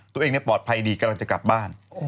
ตัวเองปลอดภัยดีกำลังจะกลับบ้าน